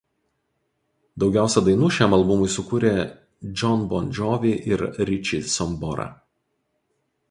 Daugiausia dainų šiam albumui sukūrė Jon Bon Jovi ir Richie Sambora.